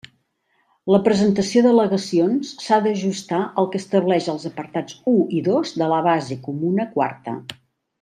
La presentació d'al·legacions s'ha d'ajustar al que estableixen els apartats u i dos de la base comuna quarta.